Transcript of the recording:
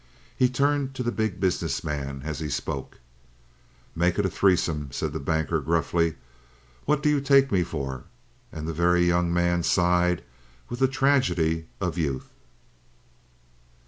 He turned to the Big Business Man as he spoke. "Make it a threesome," said the Banker gruffly. "What do you take me for?" and the Very Young Man sighed with the tragedy of youth.